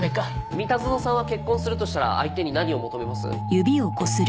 三田園さんは結婚するとしたら相手に何を求めます？